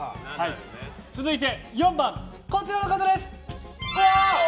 続いて、４番はこちらの方！